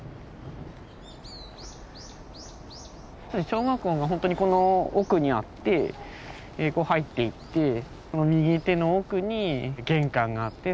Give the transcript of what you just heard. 小学校がほんとにこの奥にあってこう入っていって右手の奥に玄関があって。